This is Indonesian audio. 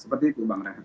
seperti itu bang renat